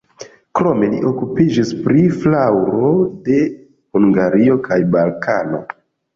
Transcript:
Krome li okupiĝis pri flaŭro de Hungario, Balkano.